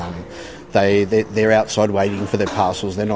mereka di luar menunggu pasirnya